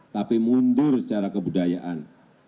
tapi mundur secara kebudayaan